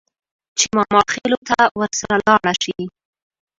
چې ماماخېلو ته ورسره لاړه شي.